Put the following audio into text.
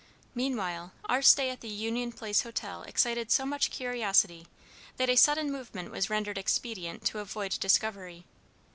Meanwhile our stay at the Union Place Hotel excited so much curiosity, that a sudden movement was rendered expedient to avoid discovery.